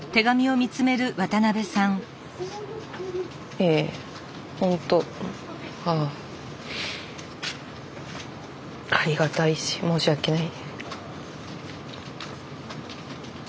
ええ本当ああありがたいし申し訳ない。